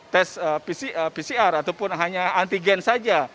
tes pcr ataupun hanya antigen saja